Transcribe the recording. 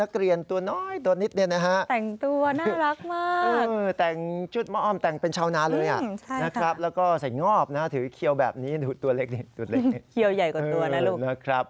เขียวใหญ่กว่าตัวนะลูก